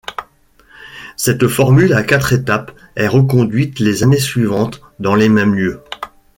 Cette formule à quatre étapes est reconduite les années suivantes dans les mêmes lieux.